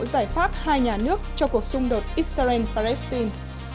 giải pháp hai nhà nước cho cuộc xung đột israel palestine